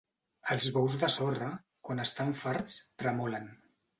Els bous de Sorre, quan estan farts, tremolen.